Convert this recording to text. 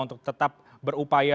untuk tetap berupaya